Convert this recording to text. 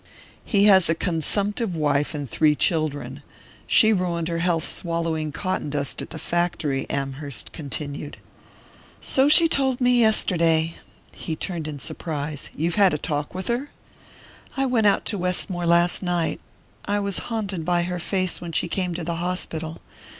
"He has a consumptive wife and three children. She ruined her health swallowing cotton dust at the factory," Amherst continued. "So she told me yesterday." He turned in surprise. "You've had a talk with her?" "I went out to Westmore last night. I was haunted by her face when she came to the hospital.